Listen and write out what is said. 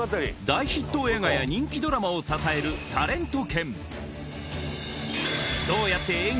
大ヒット映画や人気ドラマを支えるタレント犬